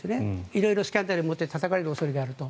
色々スキャンダルを持っててたたかれる恐れがあると。